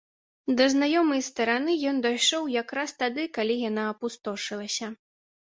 Да знаёмай стараны ён дайшоў якраз тады, калі яна апустошылася.